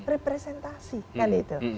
representasi kan itu